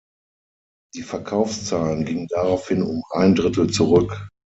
Die Verkaufszahlen gingen daraufhin um ein Drittel zurück.